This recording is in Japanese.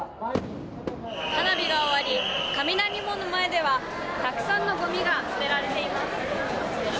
花火が終わり、雷門の前ではたくさんのごみが捨てられています。